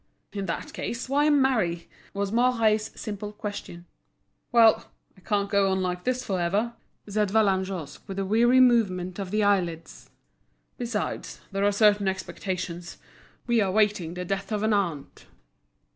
"In that case, why marry?" was Mouret's simple question. "Well! I can't go on like this for ever," said Vallagnosc, with a weary movement of the eyelids. "Besides, there are certain expectations; we are waiting the death of an aunt."